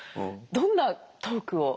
どんなトークを？